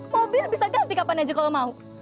mobil bisa ganti kapan aja kalau mau